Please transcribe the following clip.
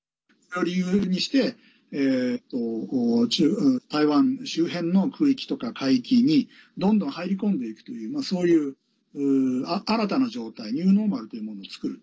理由にして台湾周辺の空域とか海域にどんどん入り込んでいくというそういう、新たな常態ニューノーマルっていうものをつくる。